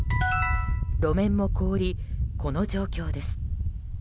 路面も凍り、この状況です。